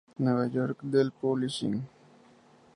Nueva York: Dell Publishing.